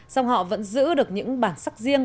song họ vẫn giữ được những bản sắc riêng